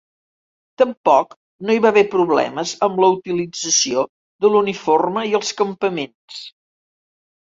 Tampoc no hi va haver problemes amb la utilització de l'uniforme i els campaments.